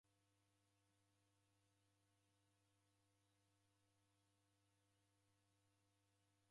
W'ukongo ghwa kipindupindu ghwaredwa ni kunywa machi ghilue.